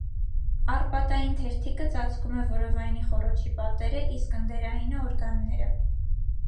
Առպատային թերթիկը ծածկում է որովայնի խոռոչի պատերը, իսկ ընդերայինը՝ օրգանները։